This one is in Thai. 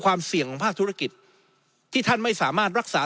ความเสี่ยงของภาคธุรกิจที่ท่านไม่สามารถรักษา